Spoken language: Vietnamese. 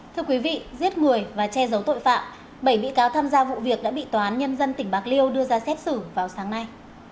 thưa quý vị giết người và che giấu tội phạm bảy bị cáo tham gia vụ việc đã bị tòa án nhân dân tỉnh bạc liêu đưa ra xét xử vào sáng nay